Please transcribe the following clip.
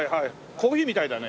コーヒーみたいだね。